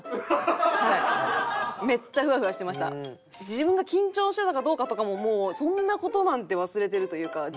自分が緊張してたかどうかとかももうそんな事なんて忘れてるというか自分が見えない。